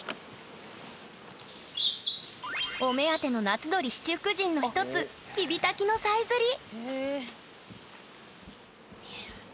お目当ての「夏鳥七福神」の一つキビタキのさえずり！